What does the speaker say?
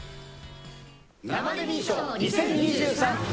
生デミー賞２０２３。